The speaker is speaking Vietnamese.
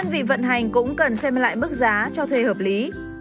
vì vận hành cũng cần xem lại mức giá cho thuê hợp lý